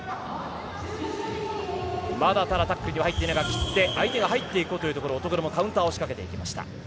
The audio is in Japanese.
まだただタックルには入っていない相手が入っていこうというところに乙黒もカウンターを仕掛けていきました。